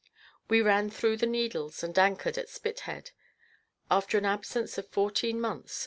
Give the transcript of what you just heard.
We ran through the Needles, and I anchored at Spithead, after an absence of fourteen months.